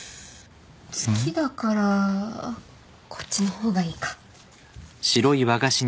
月だからこっちの方がいいか。